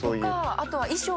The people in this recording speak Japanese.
あとは。